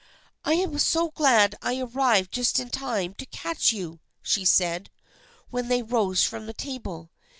" I am so glad I arrived just in time to catch you/' she said, when they rose from the table.